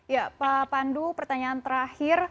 ya pak pandu pertanyaan terakhir